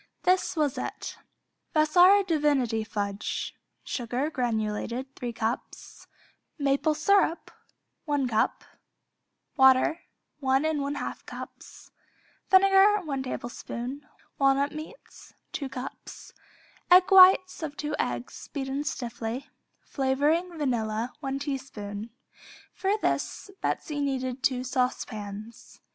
This was it. Vassar Divinity Fudge Sugar (granulated), 3 cups Maple syrup, 1 cup Water, 1 1/2 cups Vinegar, 1 tablespoon Walnut meats, 2 cups Whites of 2 eggs (beaten stiffly) Flavoring (vanilla), 1 teaspoon For this Betsey needed two saucepans.